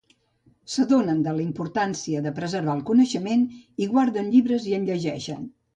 S'adonen de la importància de preservar el coneixement, i guarden llibres i en llegeixen.